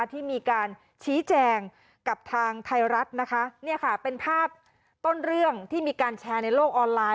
ที่มีการชี้แจงกับทางไทยรัฐนะคะเนี่ยค่ะเป็นภาพต้นเรื่องที่มีการแชร์ในโลกออนไลน